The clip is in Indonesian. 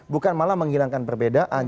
bukan malah menghilangkan perbedaan